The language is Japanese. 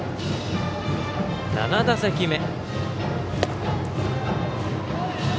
７打席目。